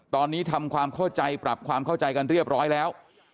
ตอนนี้ทำความเข้าใจปรับความเข้าใจกันเรียบร้อยแล้ว